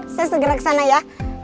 saya segera ke sana ya